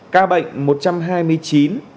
ca bệnh một trăm hai mươi chín